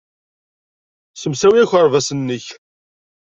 Ssemsawi akerbas-nnek.